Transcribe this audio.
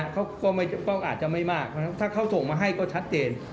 เขาก็ต้องอาจจะไม่มากถ้าเขาส่งมาให้ก็ชัดเจน